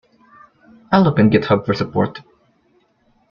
I'll look on Github for support.